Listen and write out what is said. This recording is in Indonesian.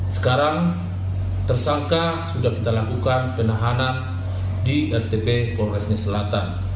sekarang tersangka sudah kita lakukan penahanan di rtp polresnya selatan